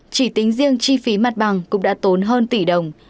chỉ tính riêng chi phí mặt bằng cũng đã tốn hơn tỷ đồng